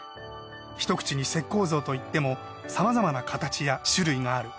一口に石膏像といってもさまざまな形や種類がある。